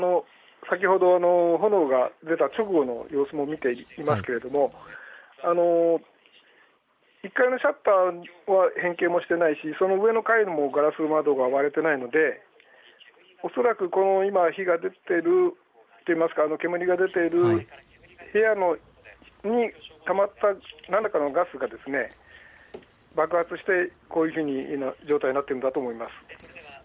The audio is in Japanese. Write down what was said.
あの今ちょうど先ほど、炎が出た直後の様子も見ていますけれども１階のシャッターは変形もしてないしその上の階もガラス窓が割れていないのでおそらく、この今火が出ていると言いますか、煙が出ている部屋にたまった何らかのガスがですね爆発して、こういうふうな状態になってるんだと思います。